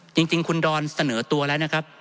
จริงคุณดอนเสนอตัวแล้วนะครับ